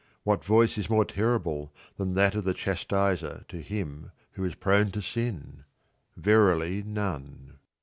What voice is more terrible than that of the chastiser to him who is prone 109 • to sin? Verily none.